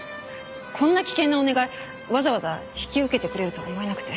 こんな危険なお願いわざわざ引き受けてくれるとは思えなくて。